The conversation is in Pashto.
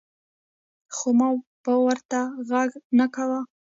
خو ما به ورته غږ نۀ کوۀ ـ